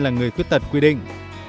là người khuất tật quy định